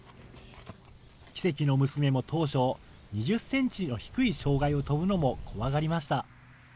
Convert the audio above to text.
キセキノムスメも当初、２０センチの低い障害を飛ぶのも怖がりました。